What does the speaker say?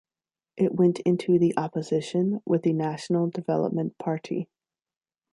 It went into the opposition with the National Development Party.